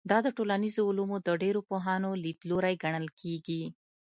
دا د ټولنیزو علومو د ډېرو پوهانو لیدلوری ګڼل کېږي.